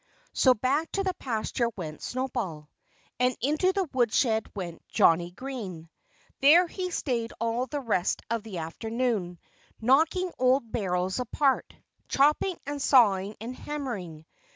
So back to the pasture went Snowball. And into the woodshed went Johnnie Green. There he stayed all the rest of the afternoon, knocking old barrels apart, chopping and sawing and hammering.